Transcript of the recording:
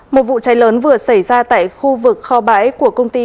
một vụ cháy lớn vừa xảy ra tại khu vực kho bãi của công ty